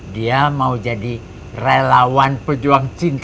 dia mau jadi relawan pejuang cinta